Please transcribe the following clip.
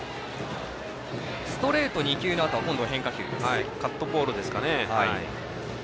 ストレート２球のあとカットボールですかね。